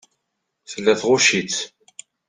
Tella tɣucc-it.